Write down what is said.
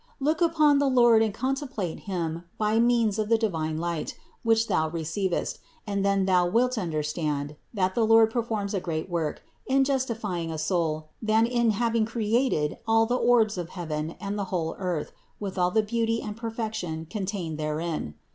Look upon the Lord and contemplate Him by means of the divine light, THE INCARNATION 185 which thou receivest, and then thou wilt understand that the Lord performs a greater work in justifying a soul than in having created all the orbs of heaven and the whole earth with all the beauty and perfection contained within them.